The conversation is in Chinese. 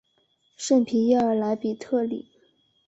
圣皮耶尔莱比特里。